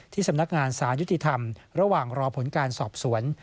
สำนักงานสารยุติธรรมระหว่างรอผลการสอบสวน